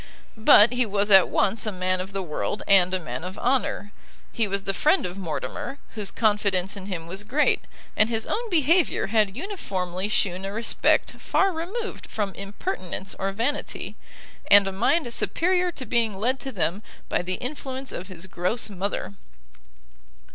But he was at once a man of the world and a man of honour; he was the friend of Mortimer, whose confidence in him was great, and his own behaviour had uniformly shewn a respect far removed from impertinence or vanity, and a mind superior to being led to them by the influence of his gross mother.